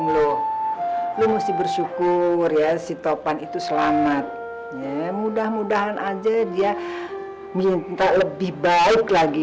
lu mesti bersyukur ya sitopan itu selamat mudah mudahan aja dia minta lebih baik lagi